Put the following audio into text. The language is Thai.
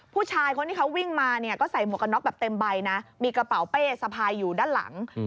ผู้ชายคนที่เขาวิ่งมาเนี่ยก็ใส่หมวกกันน็อกแบบเต็มใบนะมีกระเป๋าเป้สะพายอยู่ด้านหลัง